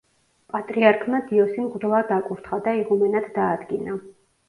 პატრიარქმა დიოსი მღვდლად აკურთხა და იღუმენად დაადგინა.